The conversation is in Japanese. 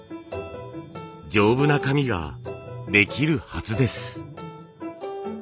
丈夫な紙ができるはずです。